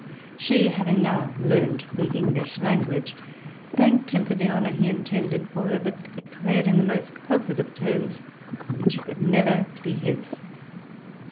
She (having now learned the English language) thanked him for the honour he had intended her ; but declared in the most posi tive terms that she could never be his.